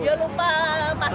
ya lupa pak